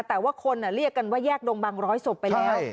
แต่ว่าคนเรียกกันว่าแยกดงบังร้อยศพไปแล้ว